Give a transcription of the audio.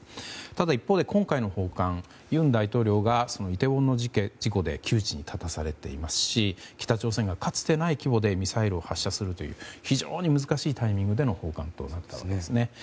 ただ、一方で今回の訪韓尹大統領がイテウォンの事故で窮地に立たされていますし北朝鮮が、かつてない規模でミサイルを発射するという非常に難しいタイミングでの訪韓となったんですね。